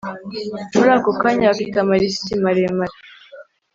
muri ako kanya, bafite amalisiti maremare